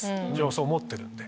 そう思ってるんで。